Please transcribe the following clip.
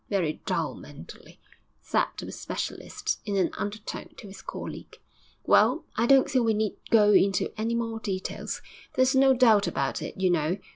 'Very dull mentally,' said the specialist, in an undertone, to his colleague. 'Well, I don't think we need go into any more details. There's no doubt about it, you know.